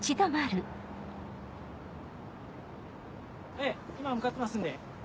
ええ今向かってますんで。